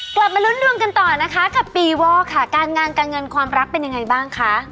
กลับมาลุ้นดวงกันต่อนะคะกับปีวอกค่ะการงานการเงินความรักเป็นยังไงบ้างคะ